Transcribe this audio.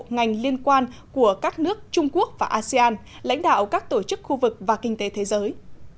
ngành liên quan của các nước trung quốc và asean lãnh đạo các tổ chức khu vực và kinh tế thế giới